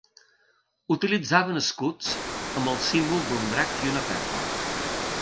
Utilitzaven escuts amb el símbol d'un drac i una perla.